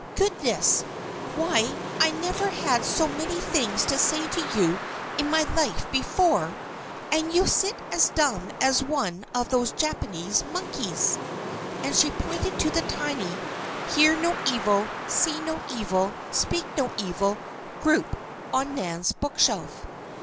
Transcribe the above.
Goodness! Why, I never had so many things to say to you in my life before, and you sit as dumb as one of those Japanese monkeys," and she pointed to the tiny "Hear No Evil, See No Evil, Speak No Evil" group on Nan's bookshelf.